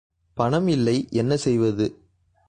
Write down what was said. பணம் இல்லை என்ன செய்வது?